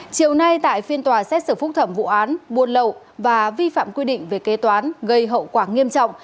chiều nay tại phiên tòa xét xử phúc thẩm vụ án buôn lậu và vi phạm quy định về kế toán gây hậu quả nghiêm trọng